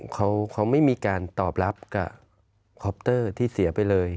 เขาไม่มีการตอบรับกับคอปเตอร์ที่เสียไปเลย